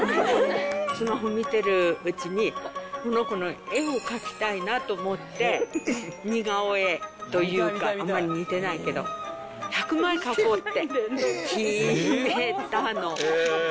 スマホ見てるうちにこの子の絵を描きたいなと思って、似顔絵というか、あまり似てないけど、１００枚描こうって決めたの。